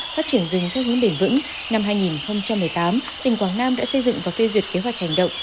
phát triển rừng theo hướng bền vững năm hai nghìn một mươi tám tỉnh quảng nam đã xây dựng và phê duyệt kế hoạch hành động